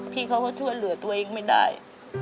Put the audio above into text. พี่เขาก็ช่วยเหลือตัวเองไม่ได้